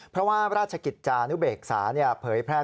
เพราะว่าราชกิจจานุเบกสารเผยแพร่ข้อกำหนด